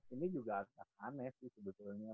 ini juga akan aneh sih sebetulnya